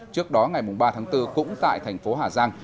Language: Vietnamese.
trước đó ngày ba tháng bốn cũng tại thành phố hà giang